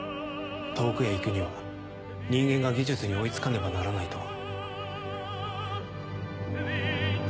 遠くへ行くには人間が技術に追い付かねばならないと。